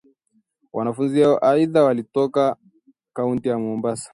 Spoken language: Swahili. Wanafunzi hao aidha walitoka kaunti ya Mombasa